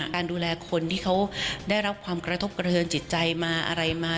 การดูแลคนที่เขาได้รับความกระทบกระเทินจิตใจมาอะไรมา